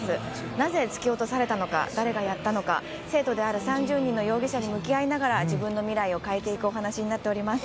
なぜ突き落とされたのか、誰がやったのか、生徒である３０人の容疑者に向き合いながら、自分の未来を変えていくお話になっています。